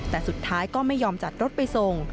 แต่สุดท้ายก็ไม่ยอมจัดรถไปส่ง